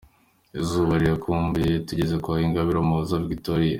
Izuba ririkubuye, tugeze kwa Ingabire Umuhoza Vigitoriya,